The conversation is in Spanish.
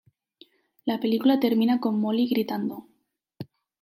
La película termina con Molly gritando.